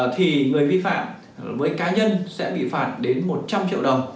thì người vi phạm với cá nhân sẽ bị phạt đến một trăm linh triệu đồng